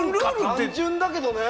単純だけどね。